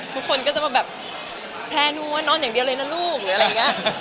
ทุกคนก็จะมาแบบแพร่นัวนอนอย่างเดียวเลยนะลูกหรืออะไรอย่างนี้